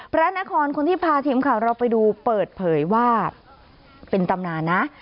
พระนครคนที่พาทีมข่าวเราไปดูเปิดเผยว่าเป็นตำนานนะ